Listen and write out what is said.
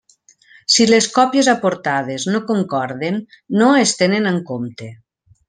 Si les còpies aportades no concorden, no es tenen en compte.